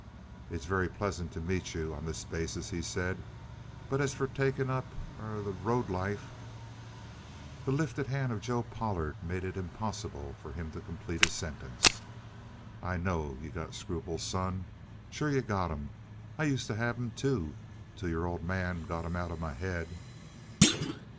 "It's very pleasant to meet you on this basis," he said. "But as for taking up er road life " The lifted hand of Joe Pollard made it impossible for him to complete his sentence. "I know. You got scruples, son. Sure you got 'em. I used to have 'em, too, till your old man got 'em out of my head."